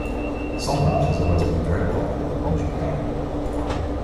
Sombart has always been very popular in Japan.